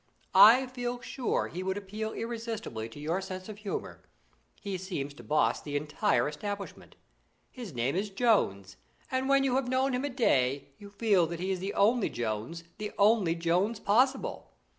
I feel sure he would appeal irresistibly to your sense of humour. He seems to boss the whole establishment. His name is Jones; and when you have known him a day you feel that he is the only Jones the only Jones possible.